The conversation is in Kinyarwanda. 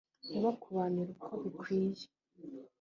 ntibakubanire uko bikwiye